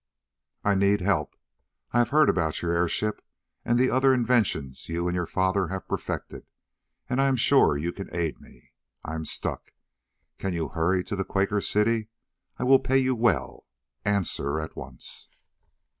I need help. I have heard about your airship, and the other inventions you and your father have perfected, and I am sure you can aid me. I am stuck. Can you hurry to the Quaker City? I will pay you well. Answer at once!'"